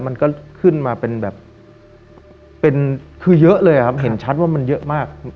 มันก็ขึ้นมาเป็นแบบเป็นคือเยอะเลยครับเห็นชัดว่ามันเยอะมาก